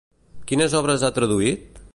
Quines obres ha traduït?